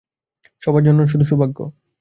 সবার জন্য শুধু সৌভাগ্য।